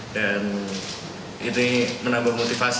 dan ini menambah motivasi